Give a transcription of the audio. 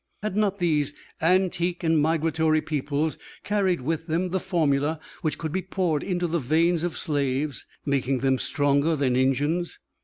Had not those antique and migratory peoples carried with them the formula which could be poured into the veins of slaves, making them stronger than engines?